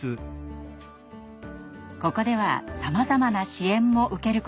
ここではさまざまな支援も受けることができます。